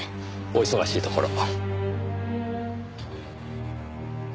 お忙しいところ。